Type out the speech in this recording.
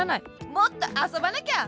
もっとあそばなきゃ！